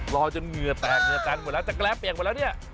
รอจนเงยาโตงหมดแล้วใช้แล้วเปียกหมดแล้ว